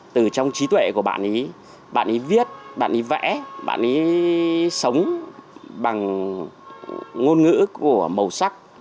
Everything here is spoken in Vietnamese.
từ trong trí tuệ của bạn ấy bạn ấy viết bạn ấy vẽ bạn ấy sống bằng ngôn ngữ của màu sắc